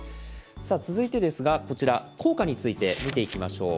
続いてですが、こちら、効果について見ていきましょう。